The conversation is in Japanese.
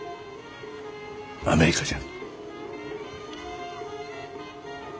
アメリカじゃ。